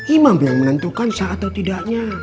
imam yang menentukan sah atau tidaknya